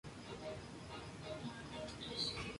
Es ahí donde conoce a su verdadero amor, Víctor Manuel.